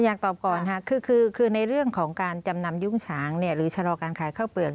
อยากตอบก่อนค่ะคือในเรื่องของการจำนำยุ้งฉางหรือชะลอการขายข้าวเปลือก